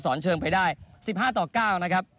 เชิงไปได้๑๕ต่อ๙นะครับ